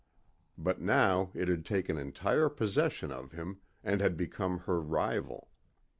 But now it had taken entire possession of him and had become her rival.